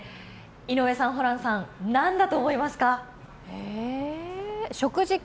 井上さん、ホランさん、何だと思いますか？